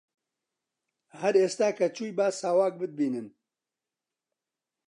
هەر ئێستا کە چووی با ساواک بتبینن